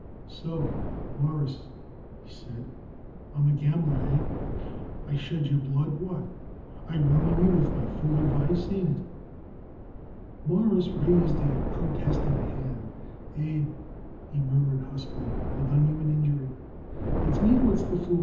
"So, Mawruss," he said, "I am a gambler. Hey? I shed your blood? What? I ruin you with my fool advice? Ain't it?" Morris raised a protesting hand. "Abe," he murmured huskily, "I done you an injury. It's me what's the fool.